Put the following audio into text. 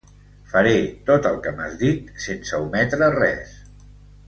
Faré tot el que m'has dit, sense ometre res.